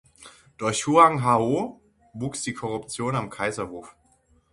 Durch Huang Hao wuchs die Korruption am Kaiserhof.